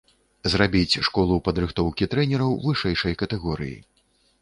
Зрабіць школу падрыхтоўкі трэнераў вышэйшай катэгорыі.